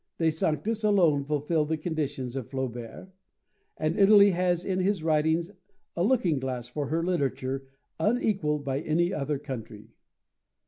De Sanctis alone fulfilled the conditions of Flaubert, and Italy has in his writings a looking glass for her literature unequalled by any other country.